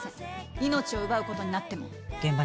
命を奪うことになっても。